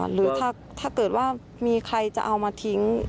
หรือถ้าเกิดว่ามีใครจะเอามาทิ้ง